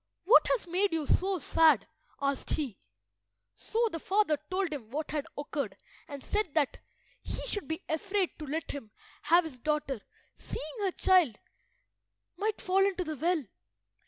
"What has made you so sad?" asked he. So the father told him what had occurred, and said that he should be afraid to let him have his daughter seeing her child might fall into the well.